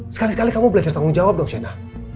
sekali sekali kamu belajar tanggung jawab dong shena